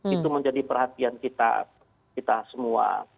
itu menjadi perhatian kita semua